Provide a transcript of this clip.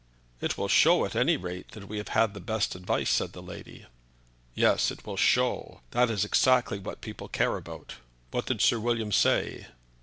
"It will show, at any rate, that we have had the best advice," said the lady. "Yes, it will show; that is exactly what people care about. What did Sir William say?"